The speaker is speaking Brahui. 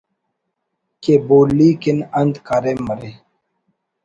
کہ بولی کن انت کاریم مرے